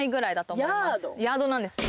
ヤードなんです